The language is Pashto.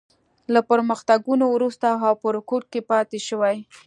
له پرمختګونو وروسته او په رکود کې پاتې شوې.